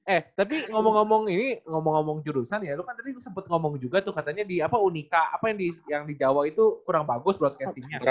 eh tapi ngomong ngomong ini ngomong ngomong jurusan ya lu kan tadi sempat ngomong juga tuh katanya di apa unika apa yang di jawa itu kurang bagus broadcast nya ya